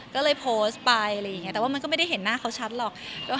ก็เลยโพสต์ไปแต่ว่ามันก็ไม่ได้เห็นหน้าเขาชัดหรอก